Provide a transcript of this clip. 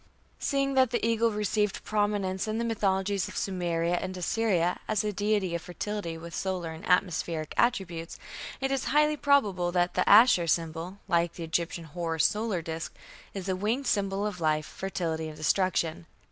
Seeing that the eagle received prominence in the mythologies of Sumeria and Assyria, as a deity of fertility with solar and atmospheric attributes, it is highly probable that the Ashur symbol, like the Egyptian Horus solar disk, is a winged symbol of life, fertility, and destruction.